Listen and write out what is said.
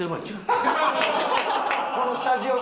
このスタジオね。